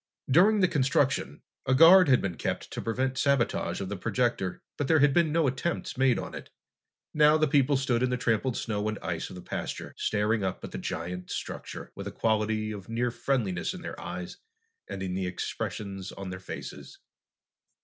During the construction, a guard had been kept to prevent sabotage of the projector, but there had been no attempts made on it. Now the people stood in the trampled snow and ice of the pasture, staring up at the giant structure, with a quality of near friendliness in their eyes and in the expressions of their faces.